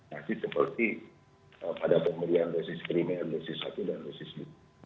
masih seperti pada pemberian vaksin primer vaksin satu dan vaksin dua